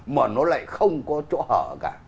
mà nó lại không có chỗ hở cả